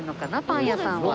パン屋さんは。